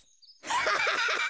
ハハハハ！